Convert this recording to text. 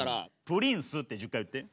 プリンスって１０回言って。